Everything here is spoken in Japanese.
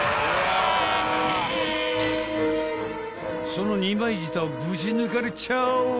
［その二枚舌をぶち抜かれちゃう］